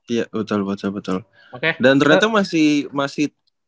iya betul betul dan ternyata masih masih